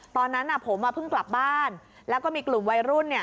ตอนนั้นผมเพิ่งกลับบ้านแล้วก็มีกลุ่มวัยรุ่นเนี่ย